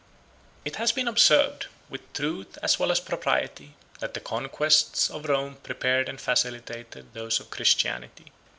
It has been observed, with truth as well as propriety, that the conquests of Rome prepared and facilitated those of Christianity.